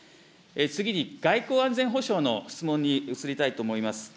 次に外交安全保障の質問に移りたいと思います。